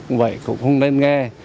cũng vậy cũng không nên nghe